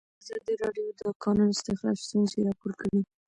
ازادي راډیو د د کانونو استخراج ستونزې راپور کړي.